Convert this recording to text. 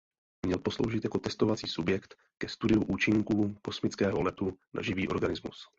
Měl posloužit jako testovací subjekt ke studiu účinků kosmického letu na živý organismus.